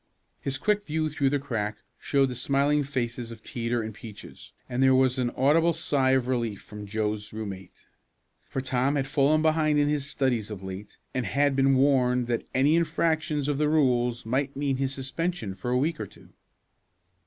His quick view through the crack showed the smiling faces of Teeter and Peaches, and there was an audible sigh of relief from Joe's roommate. For Tom had fallen behind in his studies of late, and had been warned that any infractions of the rules might mean his suspension for a week or two.